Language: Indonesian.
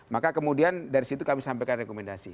maka kemudian dari situ kami sampaikan rekomendasi